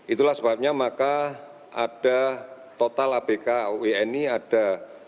itulah sebabnya maka ada total abk ueni ada tujuh puluh delapan